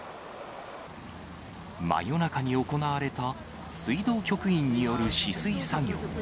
真夜中に行われた水道局員による止水作業。